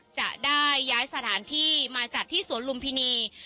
จะได้ย้ายสถานที่มาจัดที่สวนลุมพินี